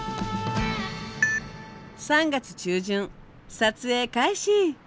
３月中旬撮影開始！